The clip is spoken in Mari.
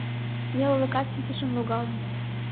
Нелылыкат ситышын логалын.